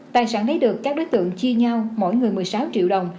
tài sản này được các đối tượng chia nhau mỗi người một mươi sáu triệu đồng